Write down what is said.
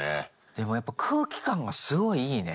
でもやっぱ空気感がすごいいいね。